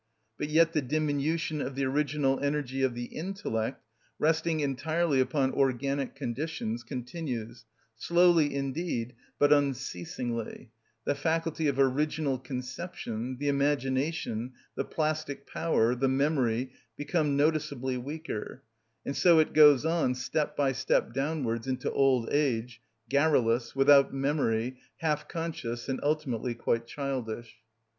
But yet the diminution of the original energy of the intellect, resting entirely upon organic conditions, continues, slowly indeed, but unceasingly: the faculty of original conception, the imagination, the plastic power, the memory, become noticeably weaker; and so it goes on step by step downwards into old age, garrulous, without memory, half unconscious, and ultimately quite childish.